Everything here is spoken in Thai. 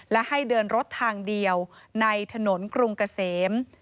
และให้เดินรถทางเดียวในถนนกรุงเกษม